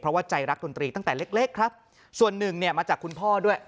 เพราะว่าใจรักดนตรีตั้งแต่เล็กครับส่วนหนึ่งเนี่ยมาจากคุณพ่อด้วย